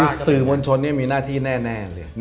คือสื่อมวลชนมีหน้าที่แน่เลย